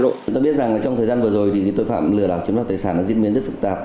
chúng ta biết rằng trong thời gian vừa rồi tội phạm lừa đảo chấm vào tài sản diễn biến rất phức tạp